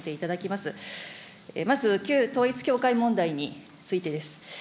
まず、旧統一教会問題についてです。